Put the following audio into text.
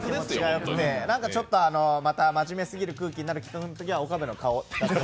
ちょっとまた真面目すぎる空気になるときには、岡部の顔を。